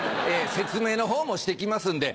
説明のほうもして行きますんで。